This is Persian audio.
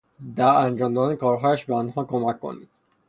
در انجام دادن کارهایشان به آنها کمک کنید.